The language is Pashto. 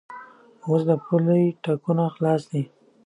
اوس د پولې ټکونه خلاص دي.